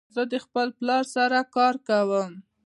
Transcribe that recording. زه د خپل پلار سره کار کوم.